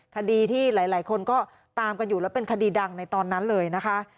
คดีที่หลายคนก็ตามกันอยู่แล้วเป็นคดีดังในตอนนั้นเลยนะคะ